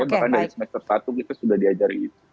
bahkan dari semester satu kita sudah diajari itu